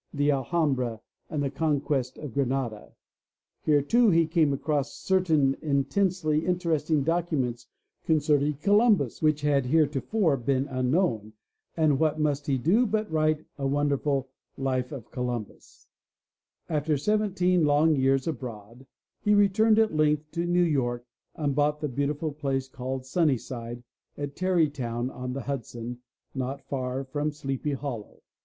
The Alhambra and The Conquest of Granada. Here, too, he came across certain intensely interesting documents concerning Columbus which had heretofore been un known and what must he do but write a wonderful Life of Colum bus, After seventeen long years abroad, he returned at length to New York and bought the beautiful place called Sunnyside at Tarrytown on the Hudson, not far from Sleepy Hollow.